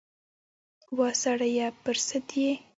وا سړیه پر سد یې ؟